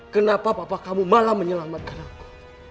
kenapa papa kamu malah menyelamatkan aku